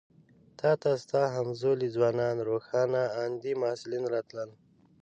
تا ته ستا همزولي ځوانان روښان اندي محصلین راتلل.